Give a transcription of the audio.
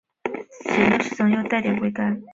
咸度适中又带点微甘